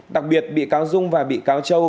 đặc biệt bị cáo dung và bị cáo châu